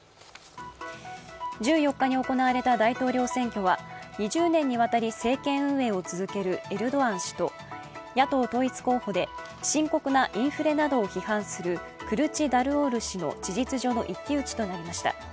１４日に行われた大統領選挙は２０年にわたり政権運営を続けるエルドアン氏と野党統一候補で深刻なインフレなどを批判するクルチダルオール氏の事実上の一騎打ちとなりました。